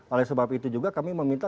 oleh sebab itu juga kami meminta